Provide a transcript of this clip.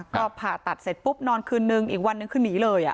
ก็ผ่าตัดเสร็จปุ๊บนอนคืนนึงอีกวันนึงคือหนีเลย